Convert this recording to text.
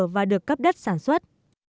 và được cấp đất sản xuất